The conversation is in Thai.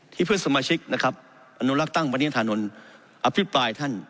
เพื่อนสมาชิกนะครับอนุรักษ์ตั้งปณิธานนท์อภิปรายท่าน